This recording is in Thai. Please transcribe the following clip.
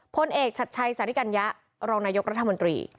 พลเอกชัดชัยสาธิกัญญะรองนายกรัฐมนตรี